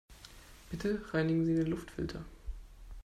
Bitte reinigen Sie den Luftfilter.